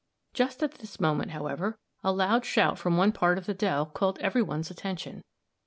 Just at this moment, however, a loud shout from one part of the dell called every one's attention.